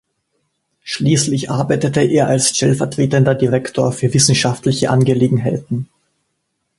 Schließlich arbeitete er als stellvertretender Direktor für wissenschaftliche Angelegenheiten.